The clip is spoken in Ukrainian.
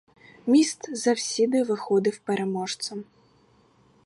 Міст завсіди виходив переможцем.